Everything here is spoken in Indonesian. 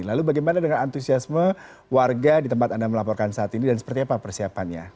lalu bagaimana dengan antusiasme warga di tempat anda melaporkan saat ini dan seperti apa persiapannya